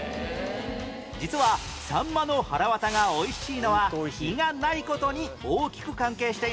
実はさんまのはらわたが美味しいのは胃がない事に大きく関係しています